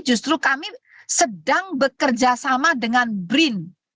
justru kami sedang bekerjasama dengan brin